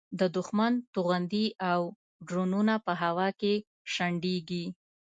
د دوښمن توغندي او ډرونونه په هوا کې شنډېږي.